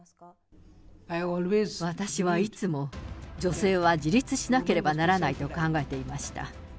私はいつも、女性は自立しなければならないと考えていました。